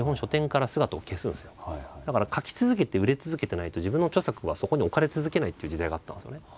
だから描き続けて売れ続けてないと自分の著作はそこに置かれ続けないっていう時代があったんですよね。